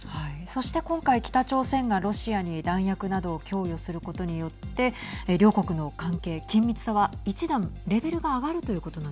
そして今回、北朝鮮がロシアに弾薬などを供与することによって両国の関係、緊密さは一段レベルが上がるはい。